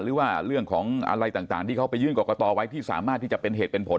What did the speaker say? หรือว่าเรื่องของอะไรต่างที่เขาไปยื่นกรกตไว้ที่สามารถที่จะเป็นเหตุเป็นผล